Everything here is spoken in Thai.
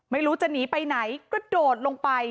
ไม่รู้จะหนีไปไหนกระโดดลงไป